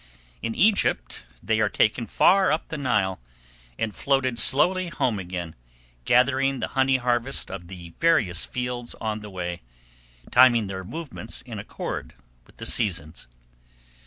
In Egypt they are taken far up the Nile, and floated slowly home again, gathering the honey harvest of the various fields on the way, timing their movements in accord with the seasons.